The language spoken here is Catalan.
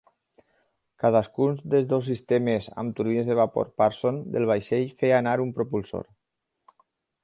Cadascun dels dos sistemes amb turbines de vapor Parson del vaixell feia anar un propulsor.